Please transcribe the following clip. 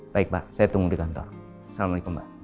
baik pak saya tunggu di kantor assalamualaikum pak